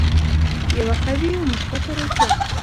یوه قوي او مثبته روحیه.